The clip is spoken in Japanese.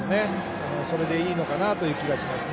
それでいいのかなという気がします。